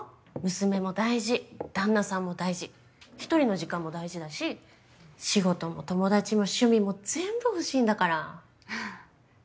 娘も大事旦那さんも大事一人の時間も大事だし仕事も友達も趣味も全部欲しいんだから。